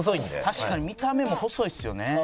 確かに見た目も細いっすよね。